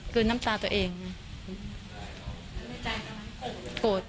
กลัวเอียด